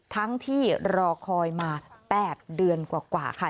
ทั้งที่รอคอยมา๘เดือนกว่าค่ะ